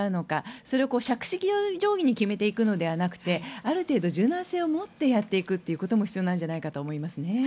それを杓子定規に決めていくのではなくてある程度、柔軟性を持ってやっていくことも必要なんじゃないかなと思います。